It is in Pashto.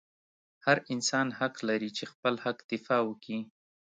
هر انسان حق لري چې خپل حق دفاع وکي